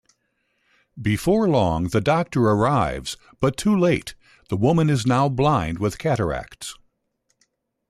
Before long, the doctor arrives, but too late-the woman is now blind with cataracts.